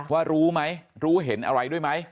ว่ารู้ไหมรู้เห็นอะไรด้วยไหม